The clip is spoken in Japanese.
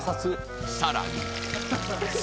［さらに］